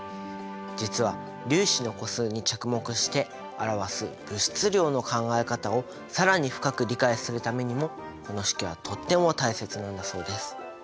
実は粒子の個数に着目して表す物質量の考え方を更に深く理解するためにもこの式はとっても大切なんだそうです。